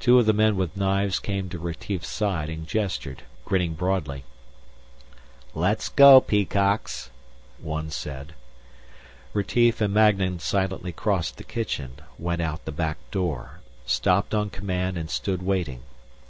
Two of the men with knives came to Retief's side and gestured, grinning broadly. "Let's go, peacocks," one said. Retief and Magnan silently crossed the kitchen, went out the back door, stopped on command and stood waiting.